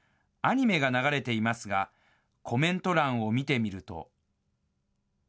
アニメが流れていますが、コメント欄を見てみると。